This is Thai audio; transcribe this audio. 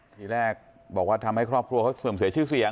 ทีแรกบอกว่าทำให้ครอบครัวเขาเสื่อมเสียชื่อเสียง